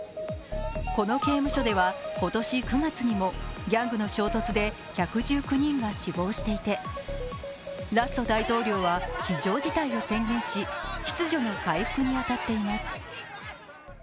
この刑務所では今年９月にもギャングの衝突で１１９人が死亡していてラッソ大統領は非常事態を宣言し、秩序の回復に当たっています。